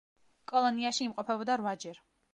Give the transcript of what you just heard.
კოლონიაში იმყოფებოდა რვაჯერ.